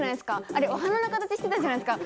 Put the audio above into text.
あれ、お花の形してたじゃないですか。